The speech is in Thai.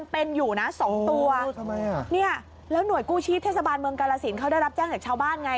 เป็นอยู่นะ๒ตัวแล้วหน่วยกู้ชีพเทศบาลเมืองกรสินเขาได้รับจ้างจากชาวบ้านไง